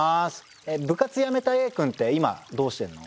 部活やめたＡくんって今どうしてんの？